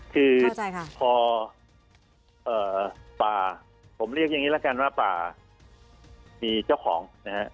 คือพอป่าผมเรียกอย่างนี้ละกันว่าป่ามีเจ้าของนะฮะ